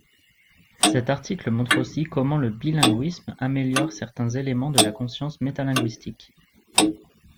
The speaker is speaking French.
Cet article montre aussi comment le bilinguisme améliore certains éléments de la conscience métalinguistique.